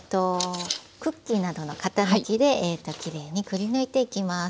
クッキーなどの型抜きできれいにくり抜いていきます。